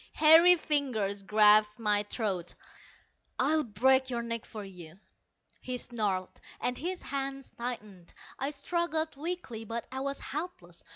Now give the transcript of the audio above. Hairy fingers grasped my throat. "I'll break your neck for you," he snarled, and his hands tightened. I struggled weakly, but I was helpless.